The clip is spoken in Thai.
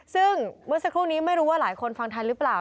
ซึ่งเมื่อสักครู่นี้ไม่รู้ว่าหลายคนฟังทันหรือเปล่า